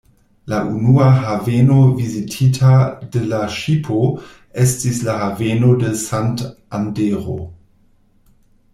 La unua haveno vizitita de la ŝipo estis la haveno de Santandero.